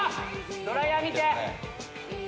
ドライヤー見て。